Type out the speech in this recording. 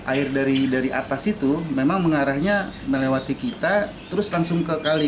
air dari atas itu memang mengarahnya melewati kita terus langsung ke kali